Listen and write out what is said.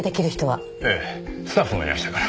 ええスタッフもいましたから。